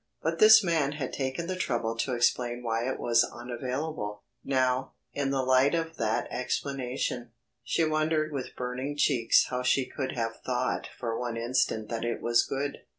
But this man had taken the trouble to explain why it was unavailable. Now, in the light of that explanation, she wondered with burning cheeks how she could have thought for one instant that it was good.